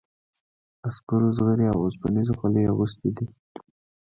عسکرو زغرې او اوسپنیزې خولۍ اغوستي دي.